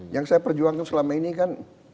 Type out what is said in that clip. yang saya perjuangkan selama ini kan